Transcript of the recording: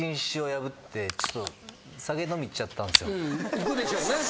行くでしょうね。